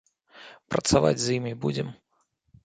Працаваць з імі будзем.